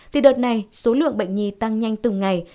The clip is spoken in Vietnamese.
thì đợt này số lượng bệnh nhi tăng nhanh từng ngày